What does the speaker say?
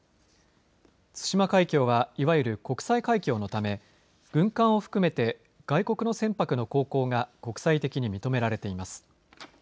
対馬海峡はいわゆる国際海峡のため軍艦を含めて外国の船舶の航行が国際的に認められています。